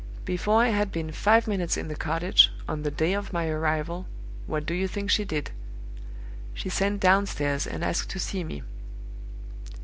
Before I had been five minutes in the cottage, on the day of my arrival, what do you think she did? She sent downstairs and asked to see me.